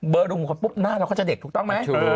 เบอร์รูขุมขนปุ๊บหน้าเราก็จะเด็กถูกต้องไหม